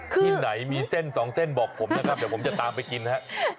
ที่ไหนมีเส้นสองเส้นบอกผมนะครับเดี๋ยวผมจะตามไปกินฮะ